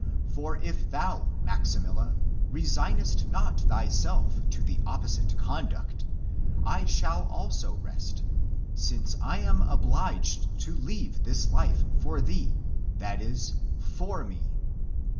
For if thou, Max imilla, resignest not thyself to the opposite conduct, I shall also rest, since I am obliged to leave this life for thee, i. e., for me.